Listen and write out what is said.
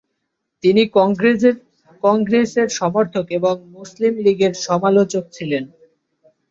তিনি কংগ্রেসের সমর্থক এবং মুসলিম লীগের সমালোচক ছিলেন।